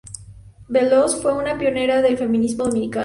Veloz fue una pionera del feminismo dominicano.